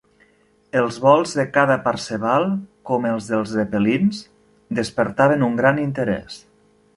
Els vols de cada "parseval", com els dels zepelins, despertaven un gran interès.